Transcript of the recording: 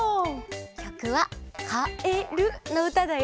きょくは「かえる」のうただよ！